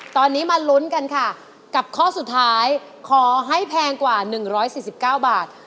ตอนนี้มาลุ้นกันค่ะกับข้อสุดท้ายขอให้แพงกว่า๑๔๙บาท